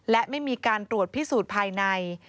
และไม่มีการตรวจพิสูจน์ภายใน